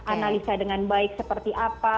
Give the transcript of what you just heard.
analisa dengan baik seperti apa